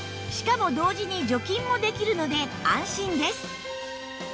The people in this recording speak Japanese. しかも同時に除菌もできるので安心です